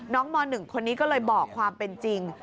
ม๑คนนี้ก็เลยบอกความเป็นจริง